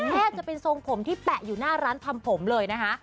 แทบจะเป็นทรงผมที่แปะอยู่หน้าร้านทำผมเลยนะคะ